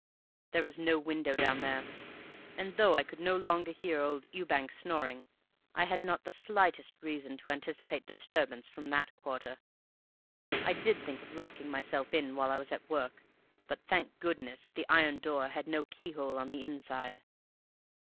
There was no window down there, and, though I could no longer hear old Ewbank snoring, I had not the slightest reason to anticipate disturbance from that quarter. I did think of locking myself in while I was at work, but, thank goodness, the iron door had no keyhole on the inside.